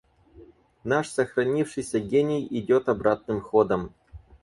Наш сохранившийся гений идет обратным ходом.